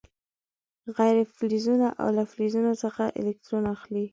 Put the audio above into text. غیر فلزونه له فلزونو څخه الکترون اخلي.